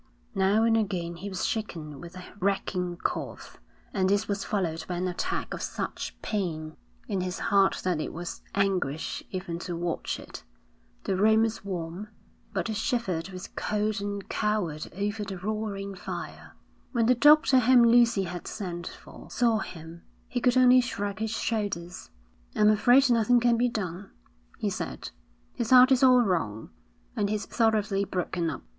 Now and again he was shaken with a racking cough, and this was followed by an attack of such pain in his heart that it was anguish even to watch it. The room was warm, but he shivered with cold and cowered over the roaring fire. When the doctor whom Lucy had sent for, saw him, he could only shrug his shoulders. 'I'm afraid nothing can be done,' he said. 'His heart is all wrong, and he's thoroughly broken up.'